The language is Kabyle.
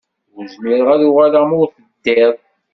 Ur zmireɣ ad uɣaleɣ ma ur teddiḍ.